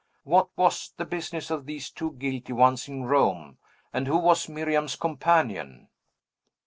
What was the business of these two guilty ones in Rome, and who was Miriam's companion?"